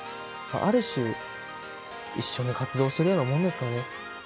ある種一緒に活動してるようなもんですかね。